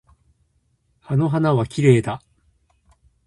あの花はきれいだ。